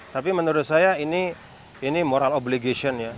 tapi menurut saya ini moral obligation ya